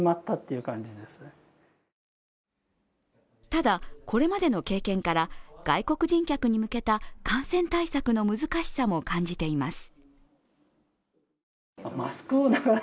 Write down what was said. ただ、これまでの経験から外国人客に向けた感染対策の難しさも感じています。